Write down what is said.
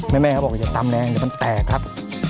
แม่เขาบอกว่าอย่าตำแรงเดี๋ยวมันแตกครับ